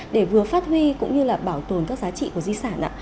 để vừa phát huy cũng như là bảo tồn các giá trị của di sản ạ